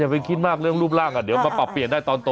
ไปคิดมากเรื่องรูปร่างเดี๋ยวมาปรับเปลี่ยนได้ตอนโต